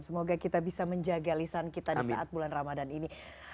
semoga kita bisa menjaga lisan kita di saat bulan ramadan ini